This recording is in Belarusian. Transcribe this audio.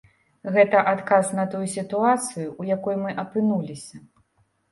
Гэта адказ на тую сітуацыю, у якой мы апынуліся.